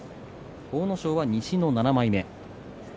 阿武咲は西の７枚目。